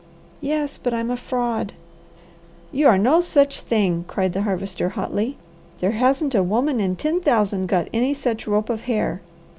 "Yes, but I'm a fraud!" "You are no such thing!" cried the Harvester hotly. "There hasn't a woman in ten thousand got any such rope of hair.